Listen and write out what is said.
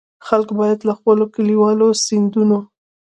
خلک باید له خپلو کلیوالو سیندونو.